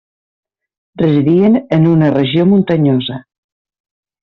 Residien en una regió muntanyosa.